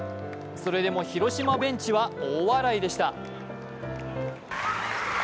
それでも広島ベンチは大笑いでした。